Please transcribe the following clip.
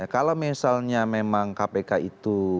kalau misalnya memang kpk itu